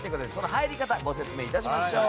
入り方をご説明いたしましょう。